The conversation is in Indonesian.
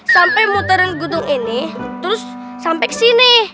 sampai muterin gedung ini terus sampai ke sini